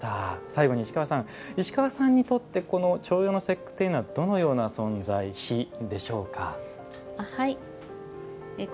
最後に石川さんにとって重陽の節句というのはどのような存在、日でしょうか。